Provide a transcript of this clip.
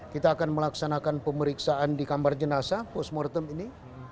kita akan melaksanakan pemeriksaan di kamar jenazah post mortem ini